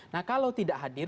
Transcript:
nah kalau tidak hadir